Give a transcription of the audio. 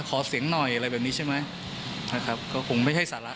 ขอเสียงหน่อยอะไรแบบนี้ใช่ไหมนะครับก็คงไม่ใช่สาระ